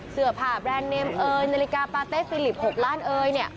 เสื้อผ้าแบรนด์เนมเอยนาฬิกาปาเต้ฟิลิป๖ล้านเอยเนี่ย